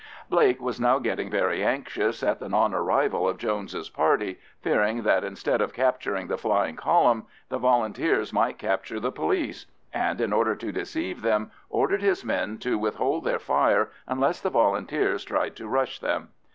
Blake was now getting very anxious at the non arrival of Jones's party, fearing that instead of capturing the flying column, the Volunteers might capture the police; and in order to deceive them, ordered his men to withhold their fire unless the Volunteers tried to rush them.